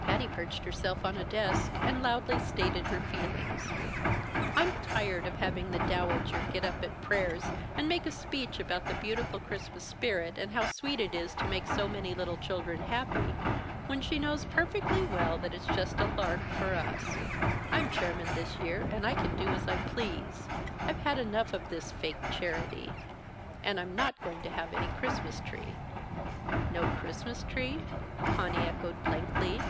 Patty perched herself on a desk, and loudly stated her feelings. "I'm tired of having the Dowager get up at prayers, and make a speech about the beautiful Christmas spirit, and how sweet it is to make so many little children happy, when she knows perfectly well that it's just a lark for us. I'm chairman this year and I can do as I please. I've had enough of this fake charity; and I'm not going to have any Christmas tree!" "No Christmas tree?" Conny echoed blankly.